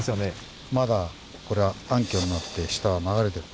まだこれは暗渠になって下流れてる。